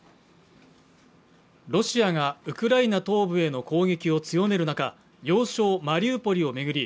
ロシアがウクライナ東部への攻撃を強める中要衝マリウポリを巡り